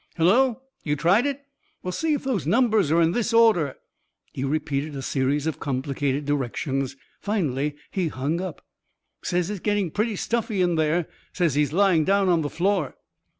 "Hello? You tried it?... Well, see if those numbers are in this order." He repeated a series of complicated directions. Finally he hung up. "Says it's getting pretty stuffy in there. Says he's lying down on the floor."